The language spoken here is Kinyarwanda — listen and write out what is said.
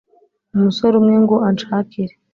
umusore umwe ngo anshakire